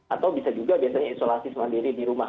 atau bisa juga biasanya isolasi mandiri di rumah